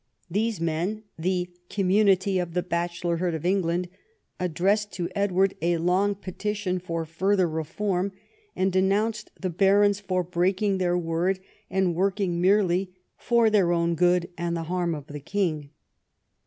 These men, "the community of the bachelorhood of England," addressed to Edward a long petition for further reform, and denounced the barons for breaking their word and working merely "for their own good and the harm of the king."